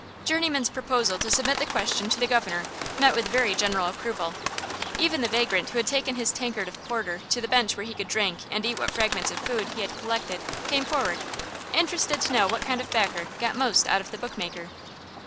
Journeyman's proposal to submit the question to the governor met with very general approval. Even the vagrant who had taken his tankard of porter to the bench where he could drink and eat what fragments of food he had collected, came forward, interested to know what kind of backer got most out of the bookmaker.